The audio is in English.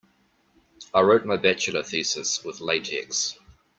I wrote my bachelor thesis with latex.